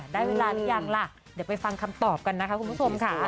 ได้เวลาหรือยังล่ะเดี๋ยวไปฟังคำตอบกันนะคะคุณผู้ชมค่ะ